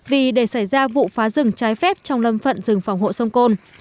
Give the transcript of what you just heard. vì để xảy ra vụ phá rừng trái phép trong lâm phận rừng phòng hộ sông côn